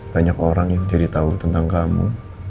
banyak orang yang jadi tahu tentang kamu